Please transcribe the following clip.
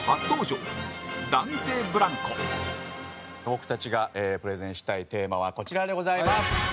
僕たちがプレゼンしたいテーマはこちらでございます。